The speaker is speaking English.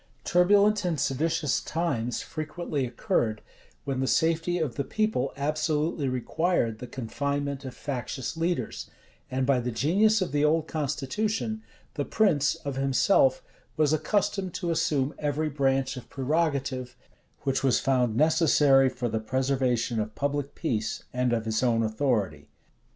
29 Turbulent and seditious times frequently occurred, when the safety of the people absolutely required the confinement of factious leaders; and by the genius of the old constitution, the prince, of himself, was accustomed to assume every branch of prerogative which was found necessary for the preservation of public peace and of his own authority.